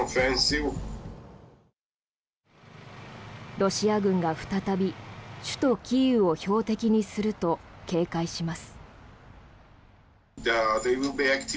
ロシア軍が再び首都キーウを標的にすると警戒します。